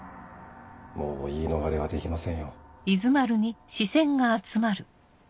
もう言い逃れはできませんよ。